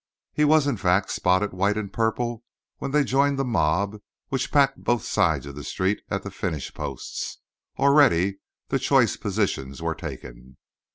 He was, in fact, spotted white and purple when they joined the mob which packed both sides of the street at the finish posts; already the choice positions were taken.